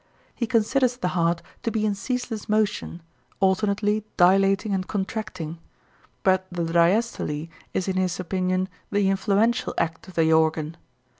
He considers the heart to be in ceaseless motion, alternately dilating and contracting, but the diastole is in his opinion the influential act of the organ.